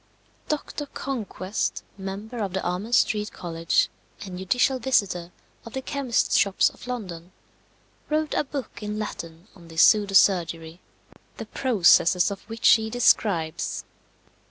Doctor Conquest, member of the Amen Street College, and judicial visitor of the chemists' shops of London, wrote a book in Latin on this pseudo surgery, the processes of which he describes.